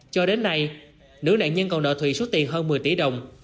cho đến nay nữ nạn nhân còn nợ thùy số tiền hơn một mươi tỷ đồng